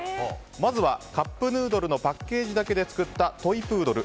まずはカップヌードルのパッケージだけで作ったトイプードル